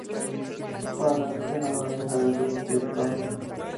Palas era una hija del dios Tritón.